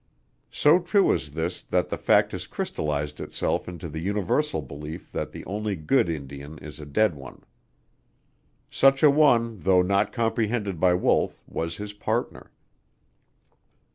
So true is this that the fact has crystalized itself into the universal belief that the only good Indian is a dead one. Such a one, though not comprehended by Wolf, was his partner.